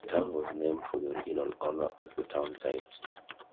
The town was named for the original owner of the town site.